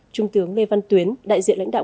trung tướng lê văn tuyến đại diện lãnh đạo